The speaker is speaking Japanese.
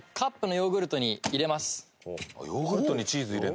ヨーグルトにチーズ入れる。